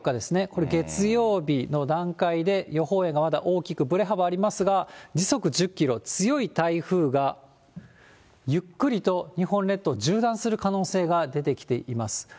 これ、月曜日の段階で、予報円がまだ大きくぶれ幅ありますが、時速１０キロ、強い台風がゆっくりと日本列島を縦断する可能性が出てきています。